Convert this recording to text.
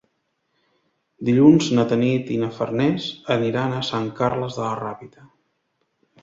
Dilluns na Tanit i na Farners aniran a Sant Carles de la Ràpita.